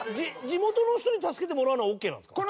地元の人に助けてもらうのはＯＫなんですか？